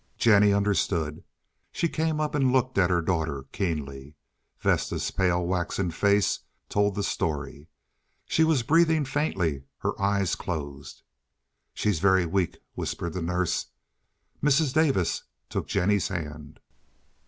Jennie understood. She came up and looked at her daughter keenly. Vesta's pale, waxen face told the story. She was breathing faintly, her eyes closed. "She's very weak," whispered the nurse. Mrs. Davis took Jennie's hand.